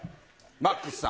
マックスさん。